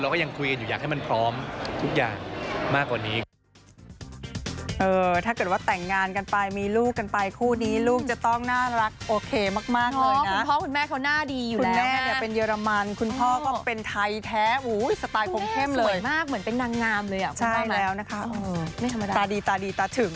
ก็ยังคุยกันอยู่อยากให้มันพร้อมทุกอย่างมากกว่านี้